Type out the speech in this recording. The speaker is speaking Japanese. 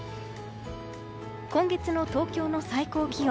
今月の東京の最高気温。